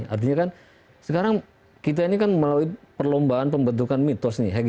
artinya kan sekarang kita ini kan melalui perlombaan pembentukan mitos nih